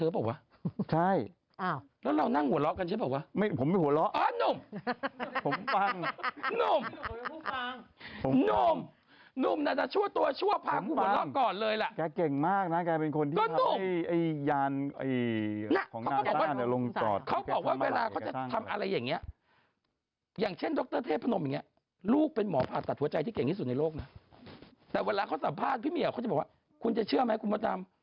บ้านพี่เหมียวเขาจะบอกว่าคุณจะเชื่อไหมคุณประดัม